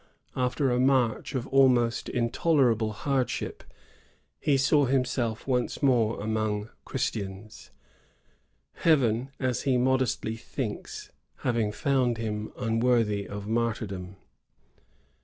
After a march of almost intolerable hardship, he saw himself once more among Christians, Heaven, a^ he modestly thmks, having found him unworthy of martyrdom.